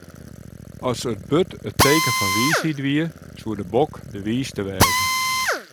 As it burd it teken fan wysheid wie, soe de bok de wiiste wêze.